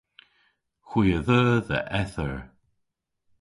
Hwi a dheu dhe eth eur.